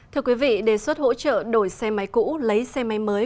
thưa quý vị đề xuất hỗ trợ đổi xe máy cũ lấy xe máy mới